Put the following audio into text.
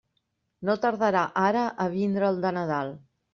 No tardarà ara a vindre el de Nadal.